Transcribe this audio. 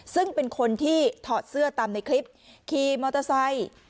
ซึ่งเป็นคนที่ถอดเสื้อตามในคลิปขี่มอเตอร์ไซค์